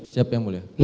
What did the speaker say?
siap yang boleh